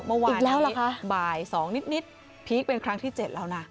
เมื่อวานแล้วล่ะคะบ่าย๒นิดพีคเป็นครั้งที่๗แล้วนะ